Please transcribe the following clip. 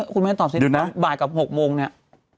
คุณแม่ตอบคำถามนี้คือบ่ายกับหกโมงเนี่ย